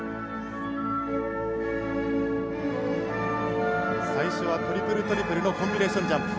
最初はトリプルトリプルのコンビネーションジャンプ。